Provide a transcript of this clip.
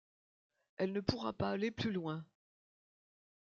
Elle ne pourra pas aller plus loin.